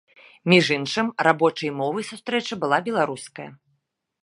Між іншым, рабочай мовай сустрэчы была беларуская.